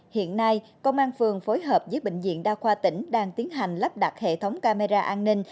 hiện nay công an phường phối hợp với bệnh viện đa khoa tỉnh đang tiến hành lắp đặt hệ thống camera an ninh